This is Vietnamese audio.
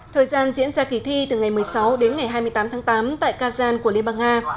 thời gian diễn ra kỳ thi từ ngày một mươi sáu đến ngày hai mươi tám tháng tám tại kazan của liên bang nga